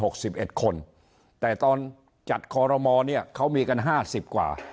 สิบเอ็ดคนแต่ตอนจัดคอรมอเนี้ยเขามีกันห้าสิบกว่า